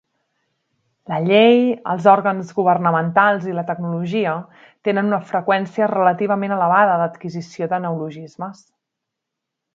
La llei, els òrgans governamentals i la tecnologia tenen una freqüència relativament elevada d'adquisició de neologismes.